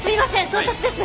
盗撮です。